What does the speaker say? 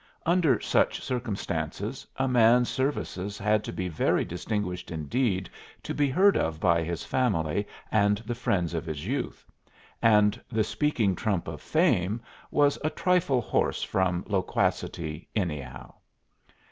Under such circumstances, a man's services had to be very distinguished indeed to be heard of by his family and the friends of his youth; and "the speaking trump of fame" was a trifle hoarse from loquacity, anyhow.